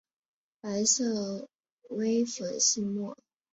白色微细粉末。